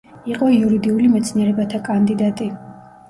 იყო იურიდიული მეცნიერებათა კანდიდატი.